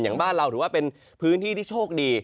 บ้านเราถือว่าเป็นพื้นที่ที่โชคดี